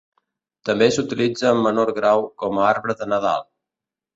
També s'utilitza en menor grau com a arbre de Nadal.